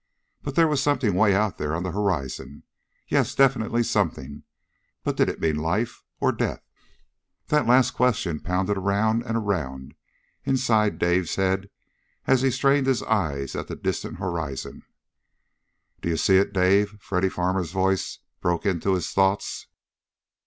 But there was something way out there on the horizon. Yes, definitely something, but did it mean life, or death? That last question pounded around and around inside Dave's head as he strained his eyes at the distant horizon. "Do you see it, Dave?" Freddy Farmer's voice broke into his thoughts.